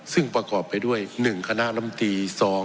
ซึ่งประกอบไปด้วย๑คณะลำตี๒